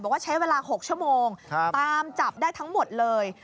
บอกว่าใช้เวลา๖ชั่วโมงตามจับได้ทั้งหมดเลย